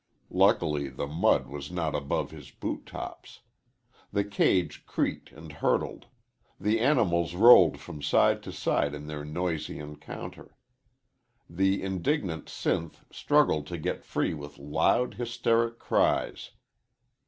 Luckily the mud was not above his boot tops. The cage creaked and hurtled. The animals rolled from side to side in their noisy encounter. The indignant Sinth struggled to get free with loud, hysteric cries.